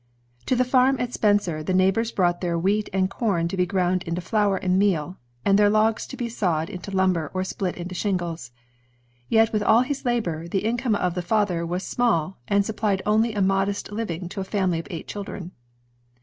To the farm at Spencer, the neighbors brought their wheat and com to be ground into flour and meal, and their logs to be sawed jB^ into lumber or split into shingles. f^J^^ Yet with all his labor, the income of the father was small, and sup plied only a modest living to a family of eight children.